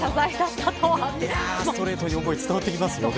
ストレートに思い伝わってきますよ、でも。